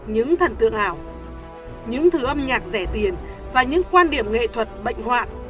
những thần tượng ảo những thứ âm nhạc rẻ tiền và những quan điểm nghệ thuật bệnh hoạn